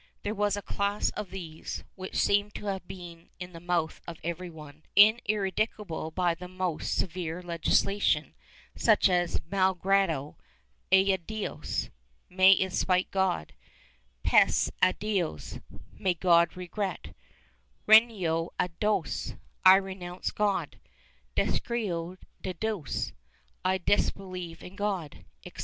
There was a class of these, which seem to have been in the mouth of every one, ineradicable by the most severe legis lation, such as ''Mai grado aya Dios" (May it spite God), "Pese a Dios" (May God regret) "Reniego d Dios" (I renounce God), "Descreo de Dios" (I disbelieve in God) etc.